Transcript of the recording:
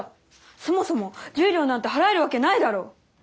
そもそも１０両なんて払えるわけないだろう！